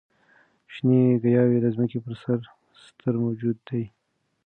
شنې ګیاوې د ځمکې پر سر ستر موجود دي.